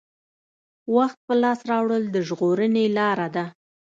وخت په لاس راوړل د ژغورنې لاره ده.